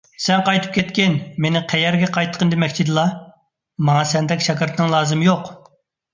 _ سەن قايتىپ كەتكىن! − مېنى قەيەرگە قايتقىن دېمەكچىدىلا؟ − ماڭا سەندەك شاگىرتنىڭ لازىمى يوق!